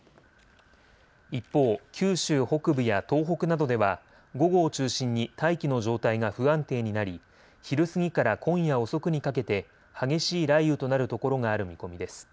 一方、九州北部や東北などでは午後を中心に大気の状態が不安定になり昼過ぎから今夜遅くにかけて激しい雷雨となるところがある見込みです。